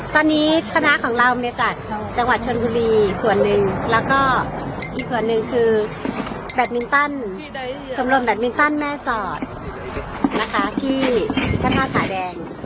ตอนนี้คณะของเรามีจากจังหวัดชนบุรีส่วนหนึ่งแล้วก็อีกส่วนหนึ่งคือแบตมินตันสำรวจแบตมินตันแม่สอดนะคะที่พระธาตุผาแดง